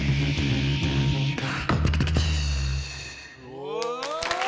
お！